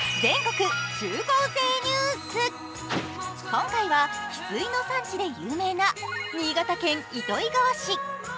今回はひすいの産地で有名な新潟県糸魚川市。